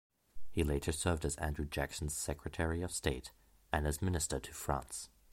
He later served as Andrew Jackson's Secretary of State and as Minister to France.